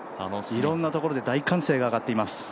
いろんなところで大歓声が上がっています。